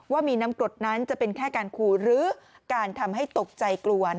ว่ามีน้ำกรดนั้นจะเป็นแค่การขู่หรือการทำให้ตกใจกลัว